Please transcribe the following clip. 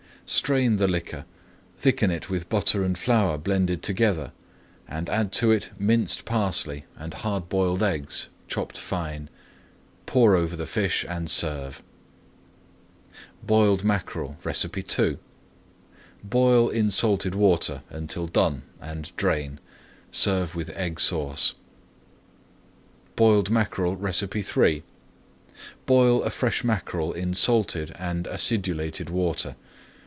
Strain the liquor, thicken it with butter and flour blended together, and add to it minced parsley [Page 214] and hard boiled eggs, chopped fine. Pour over the fish and serve. BOILED MACKEREL II Boil in salted water until done and drain. Serve with Egg Sauce. BOILED MACKEREL III Boil a fresh mackerel in salted and acidulated water.